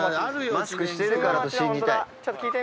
「マスクしてるからと信じたい」